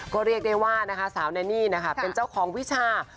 ก็เรียกได้ว่านะคะสาวแนนี่นะคะเป็นเจ้าของวิชา